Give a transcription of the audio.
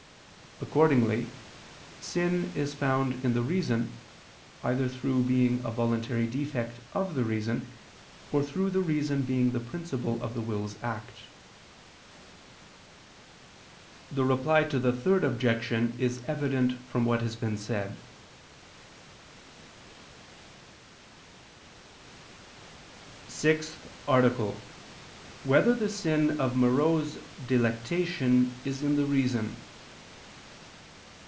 Accordingly sin is found in the reason, either through being a voluntary defect of the reason, or through the reason being the principle of the will's act. The Reply to the Third Objection is evident from what has been said (ad 1). ________________________ SIXTH ARTICLE [I II, Q. 74, Art. 6] Whether the Sin of Morose Delectation Is in the Reason?